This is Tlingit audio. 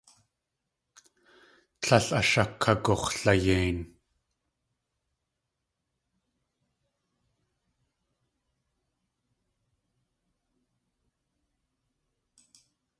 Tlél ashakagux̲layein.